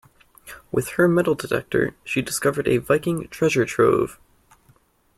With her metal detector she discovered a Viking treasure trove.